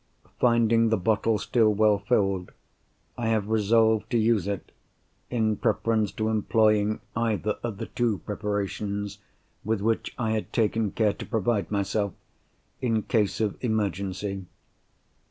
Finding the bottle still well filled, I have resolved to use it, in preference to employing either of the two preparations with which I had taken care to provide myself, in case of emergency.